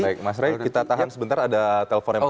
baik mas ray kita tahan sebentar ada telpon yang menarik